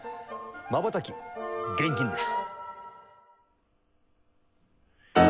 まばたき厳禁です。